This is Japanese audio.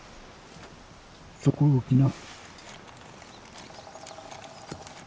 そこへ置きな。